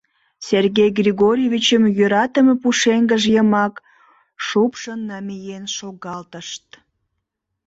Сергей Григорьевичым йӧратыме пушеҥгыж йымак шупшын намиен шогалтышт.